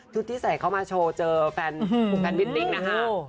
ทุกที่ใส่เข้ามาโชว์เจอแฟนแฟนบินดิ้งนะคะ